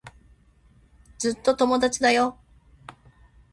ずっと友達だよ。